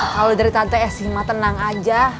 kalau dari tante esi ma tenang aja